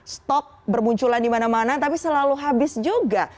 stok bermunculan dimana mana tapi selalu habis juga